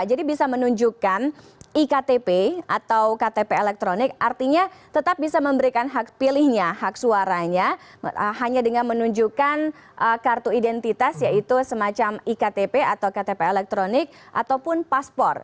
jadi bisa menunjukkan iktp atau ktp elektronik artinya tetap bisa memberikan hak pilihnya hak suaranya hanya dengan menunjukkan kartu identitas yaitu semacam iktp atau ktp elektronik ataupun paspor